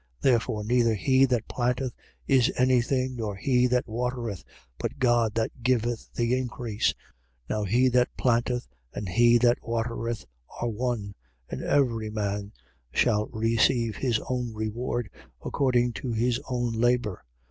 3:7. Therefore, neither he that planteth is any thing, nor he that watereth: but God that giveth the increase. 3:8. Now he that planteth and he that watereth, are one. And every man shall receive his own reward, according to his own labour.